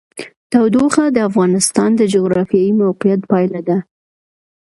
تودوخه د افغانستان د جغرافیایي موقیعت پایله ده.